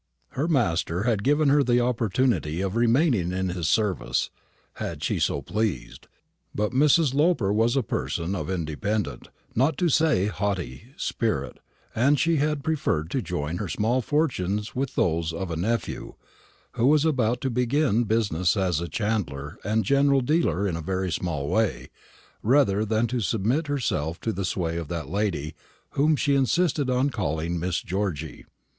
Her master had given her the opportunity of remaining in his service, had she so pleased; but Mrs. Woolper was a person of independent, not to say haughty, spirit, and she had preferred to join her small fortunes with those of a nephew who was about to begin business as a chandler and general dealer in a very small way, rather than to submit herself to the sway of that lady whom she insisted on calling Miss Georgy.